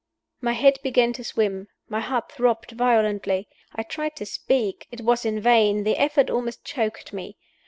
My head began to swim; my heart throbbed violently. I tried to speak; it was in vain; the effort almost choked me.